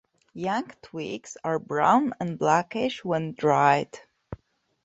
Young twigs are brown and blackish when dried.